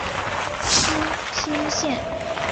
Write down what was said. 新兴线